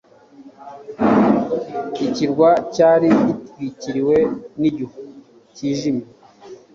Ikirwa cyari gitwikiriwe n'igihu cyijimye.